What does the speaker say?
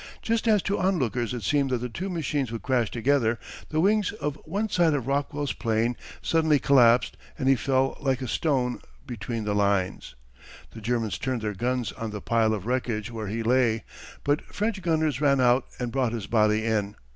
Just as to onlookers it seemed that the two machines would crash together, the wings of one side of Rockwell's plane suddenly collapsed and he fell like a stone between the lines. The Germans turned their guns on the pile of wreckage where he lay, but French gunners ran out and brought his body in.